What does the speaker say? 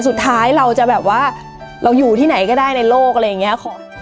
สุดท้ายเราจะแบบว่าเราอยู่ที่ไหนก็ได้ในโลกอะไรอย่างนี้